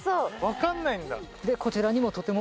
分かんないんだ。